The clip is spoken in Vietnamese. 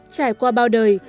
trải qua bao đời